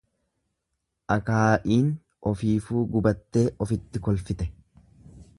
Akaa'iin ofiifuu gubattee ofitti kolfite.